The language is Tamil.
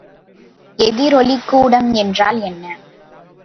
எதிரொலிக் கூடம் என்றால் என்ன?